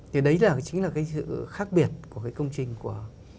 thì đấy chính là cái sự khác biệt của cái công trình của